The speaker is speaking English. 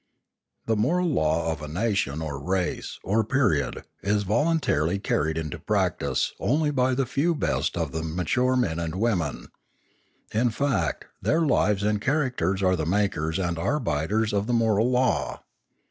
The moral law of a nation, or race, or period is voluntarily carried into practice only by the few best of the mature men and women; in fact, their lives and characters are the makers and arbiters of the moral law.